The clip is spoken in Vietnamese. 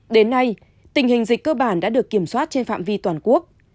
đến nay tình hình dịch cơ bản đã được kiểm soát trên phạm vi toàn quốc